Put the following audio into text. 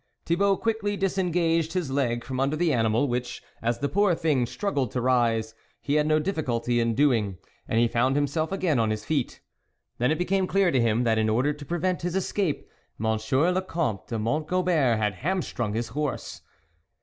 Thibault quickly disengaged his leg from under the animal, which, as the poor thing struggled to rise, he had no difficulty in doing, and he found him self again on his feet. Then it became clear to him, that in order to prevent his escape, Monsieur le Comte de Mont Gobert had hamstrung his horse.